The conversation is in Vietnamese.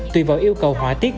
tùy vào yêu cầu hỏa tiết